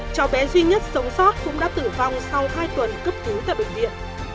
cháu bé duy nhất sống sót cũng đã tử vong sau hai tuần cấp cứu tại bệnh viện